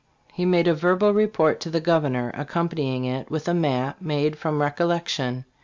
He made a verbal report to the Governor, accompanying it with a map made from recollection.